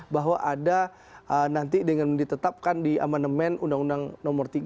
bahwa ada nanti dengan ditetapkan di amandemen undang undang nomor tiga